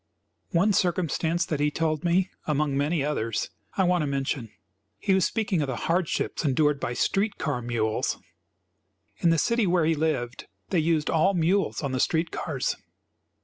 One circumstance that he told me, among many others, I want to mention. He was speaking of the hardships endured by street car mules. In the city where he lived they used all mules on the street cars.